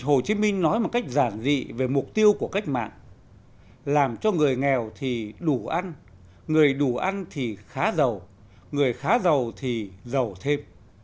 hồ chí minh nói một cách giản dị về mục tiêu của cách mạng làm cho người nghèo thì đủ ăn người đủ ăn thì khá giàu người khá giàu thì giàu thêm